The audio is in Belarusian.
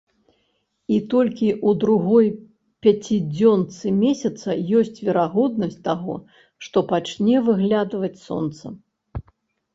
І толькі ў другой пяцідзёнцы месяца ёсць верагоднасць таго, што пачне выглядваць сонца.